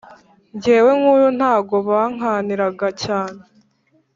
njyewe nkuru ntago bankaniraga cyane